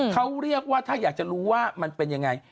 เขาเรียกว่าถ้าอยากจะรู้ว่ามันเป็นยังไง